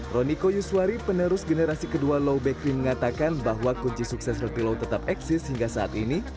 roniko yuswari penerus generasi kedua law bakery mengatakan bahwa kunci sukses roti lau tetap eksis hingga saat ini